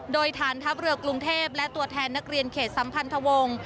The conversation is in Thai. โดยฐานทัพเรือกรุงเทพและตัวแทนนักเรียนเขตสัมพันธวงศ์